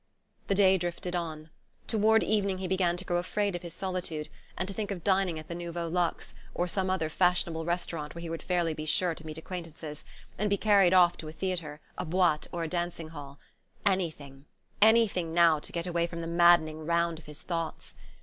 The day drifted on. Toward evening he began to grow afraid of his solitude, and to think of dining at the Nouveau Luxe, or some other fashionable restaurant where he would be fairly sure to meet acquaintances, and be carried off to a theatre, a boite or a dancing hall. Anything, anything now, to get away from the maddening round of his thoughts.